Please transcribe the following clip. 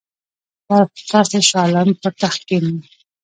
تاسي شاه عالم پر تخت کښېناوه.